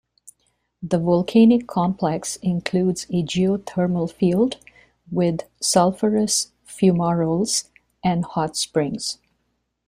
The volcanic complex includes a geothermal field with sulphurous fumaroles and hot springs.